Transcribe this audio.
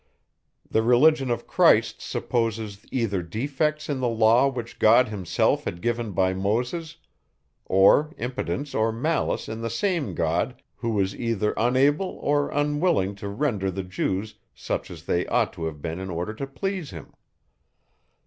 The religion of Christ supposes either defects in the law which God himself had given by Moses, or impotence or malice in the same God, who was either unable or unwilling to render the Jews such as they ought to have been in order to please him.